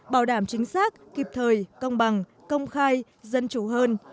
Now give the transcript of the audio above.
bảo đảm chính xác kịp thời công bằng công khai dân chủ hơn